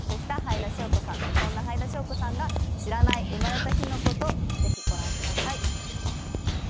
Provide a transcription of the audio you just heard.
そんなはいだしょうこさんが知らない生まれた日の事ぜひご覧ください。